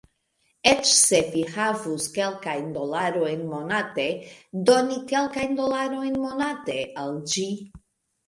Eĉ se vi havus kelkajn dolarojn monate, doni kelkajn dolarojn monate... al ĝi...